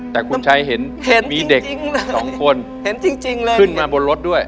แต่คุณชัยเห็นมีเด็ก๒คนเห็นจริงเลยเห็นจริงเลยเห็นขึ้นมาบนรถด้วย